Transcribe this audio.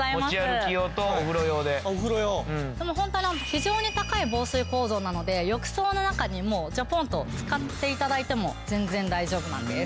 非常に高い防水構造なので浴槽の中にもうチャポンと使って頂いても全然大丈夫なんです。